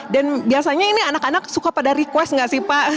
dan biasanya ini anak anak suka pada request gak sih pak